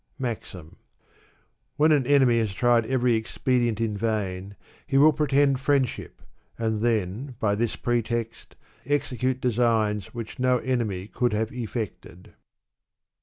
BfAXIM. When an enemy has tried every expedient in vain, he will pretend friendship, and then, by this pretext, execute designs which no enemy could have effected.